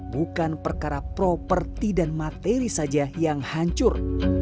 bukan perkara properti dan materi saja yang hancur